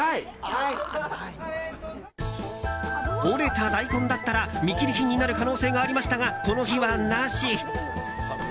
折れた大根だったら見切り品になる可能性がありましたがこの日は、なし。